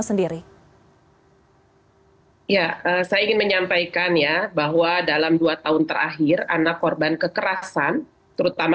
sendiri ya saya ingin menyampaikan ya bahwa dalam dua tahun terakhir anak korban kekerasan terutama